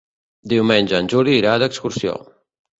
Diumenge en Juli irà d'excursió.